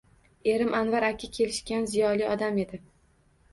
Erim Anvar aka kelishgan, ziyoli odam edi